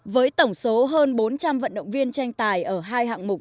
với tổng số hơn bốn trăm linh vận động viên tranh tài ở hai hạng mục